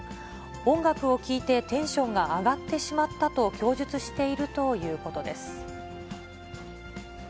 音楽を聴いてテンションが上がってしまったと供述しているということです。